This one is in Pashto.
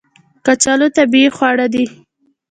کچالو طبیعي خواړه دي